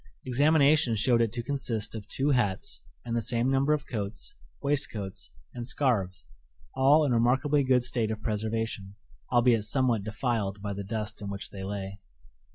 Examination showed it to consist of two hats, and the same number of coats, waistcoats, and scarves all in a remarkably good state of preservation, albeit somewhat defiled by the dust in which they lay.